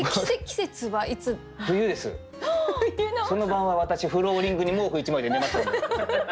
その晩は私フローリングに毛布１枚で寝ました。